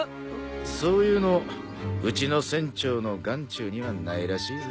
そういうのうちの船長の眼中にはないらしいぜ。